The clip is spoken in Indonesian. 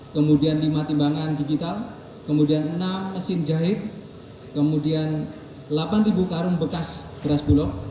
kemudian lima timbangan digital kemudian enam mesin jahit kemudian delapan karung bekas beras bulog